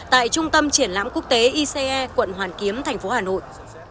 tại trung tâm triển lãm quốc tế ice quận hoàn kiếm thành phố hà nội